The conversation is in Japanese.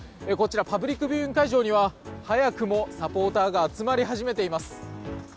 パブリックビューイング会場には早くもサポーターが集まり始めています。